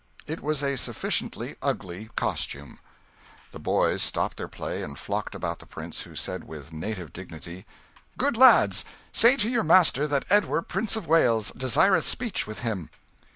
It was a sufficiently ugly costume. The boys stopped their play and flocked about the prince, who said with native dignity "Good lads, say to your master that Edward Prince of Wales desireth speech with him."